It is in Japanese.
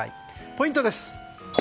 ポイントです。